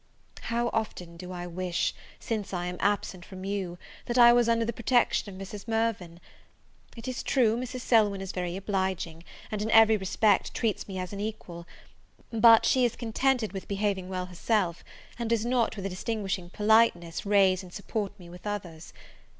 How often do I wish, since I am absent from you, that I was under the protection of Mrs. Mirvan! It is true, Mrs. Selwyn is very obliging, and, in every respect, treats me as an equal; but she is contented with behaving well herself, and does not, with a distinguishing politeness, raise and support me with others.